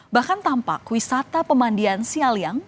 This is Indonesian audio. bahkan tampak wisata pemandian sialiang